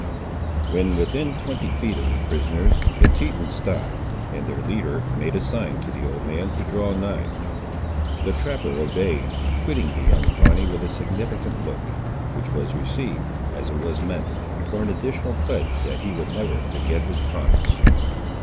When within twenty feet of the prisoners, the Tetons stopped, and their leader made a sign to the old man to draw nigh. The trapper obeyed, quitting the young Pawnee with a significant look, which was received, as it was meant, for an additional pledge that he would never forget his promise.